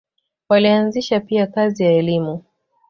Walianzisha pia kazi ya elimu.